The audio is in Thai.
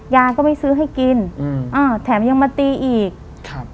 ยายก็ไม่ซื้อให้กินอืมอ้าวแถมยังมาตีอีกครับ